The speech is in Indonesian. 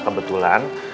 t merc di depan